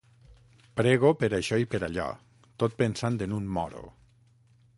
Prego per això i per allò, tot pensant en un moro.